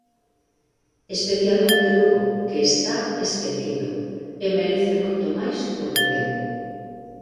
Especialmente Lugo, que está esquecido e merece moito máis do que ten.